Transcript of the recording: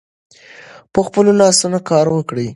په خپلو لاسونو کار وکړئ.